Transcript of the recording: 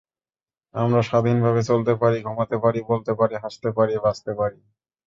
আমরা স্বাধীনভাবে চলতে পারি, ঘুমাতে পারি, বলতে পারি, হাসতে পারি, বাঁচতে পারি।